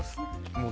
もう。